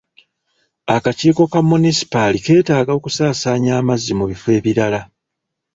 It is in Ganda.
Akakiiko ka munisipaali keetaaga okusaasaanya amazzi mu bifo ebirala.